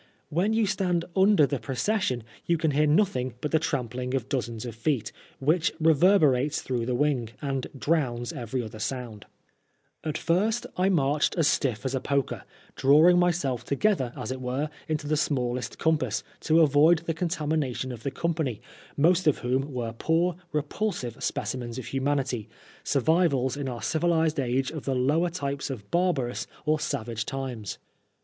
When you stand under the pro cession you can hear nothing but the trampling of PRISON UFEU 133 dozens of feet, which reverberates through the wing, and drowns every other sounds At first I marched as stifE as a poker, drawing myself together, as it were, into the smallest compass, to avoid the contamination of the company, most of whom were poor, repulsive specimens of humanity, survivals in our civilised age of the lower types of barbarous or savage times.